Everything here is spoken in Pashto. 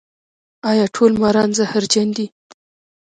ایا ټول ماران زهرجن دي؟